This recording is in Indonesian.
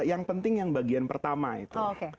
yang penting yang bagian pertama itu